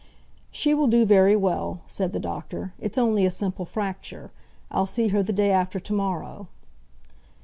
"She will do very well," said the doctor. "It's only a simple fracture. I'll see her the day after to morrow."